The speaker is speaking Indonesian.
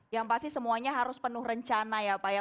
yang pasti semuanya harus penuh rencana ya pak ya